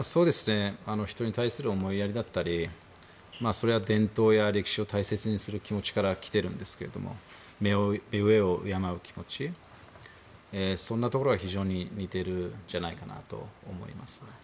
人に対する思いやりだったりそれは伝統や歴史を大切にする気持ちから来ているんですけども目上を敬う気持ちそういうところは似ているんじゃないかなと思います。